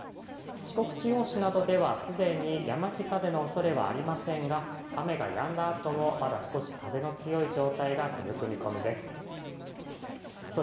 四国地方市などでは、すでに山地風のおそれはありませんが雨がやんだあともまだ少し風の強い状態が続く見込みです。